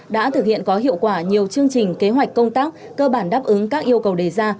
đã thực hiện có hiệu quả nhiều chương trình kế hoạch công tác cơ bản đáp ứng các yêu cầu đề ra